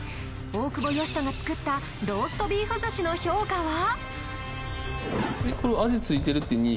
大久保嘉人が作ったローストビーフ寿司の評価は！？